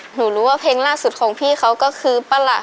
หนูรู้ว่าเพลงล่าสุดของพี่เขาก็คือประหลาด